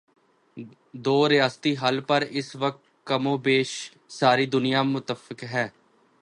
دو ریاستی حل پر اس وقت کم و بیش ساری دنیا متفق ہے۔